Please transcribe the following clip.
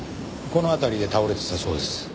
この辺りで倒れてたそうです。